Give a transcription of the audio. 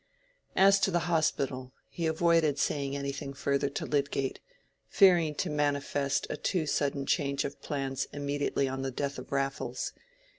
As to the Hospital, he avoided saying anything further to Lydgate, fearing to manifest a too sudden change of plans immediately on the death of Raffles.